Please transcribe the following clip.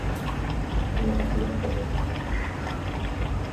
La nociva pereza